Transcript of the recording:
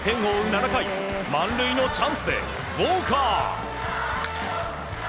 ７回満塁のチャンスでウォーカー。